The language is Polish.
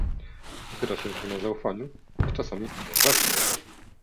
Opiera się to na zaufaniu - a czasami na braku zaufania